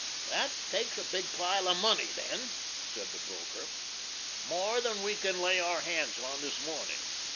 "That takes a big pile of money then," said the broker. "More than we can lay our hands on this morning.